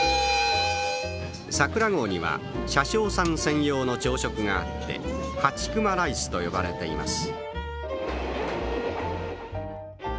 さくら号には車掌さん専用の朝食があってハチクマライスと呼ばれています。